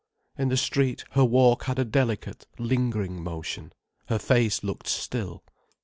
In the street her walk had a delicate, lingering motion, her face looked still.